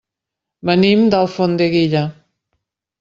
Venim d'Alfondeguilla.